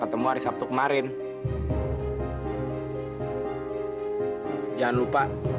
jangan rugi lak superior